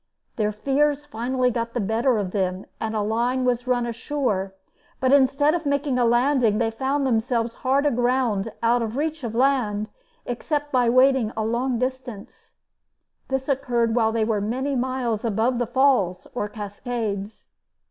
Their fears finally got the better of them and a line was run ashore; but instead of making a landing, they found themselves hard aground out of reach of land, except by wading a long distance. This occurred while they were many miles above the falls, or Cascades.